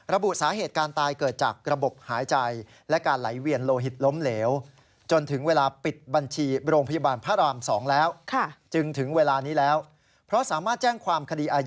ระบุสาเหตุการตายเกิดจากระบบหายใจ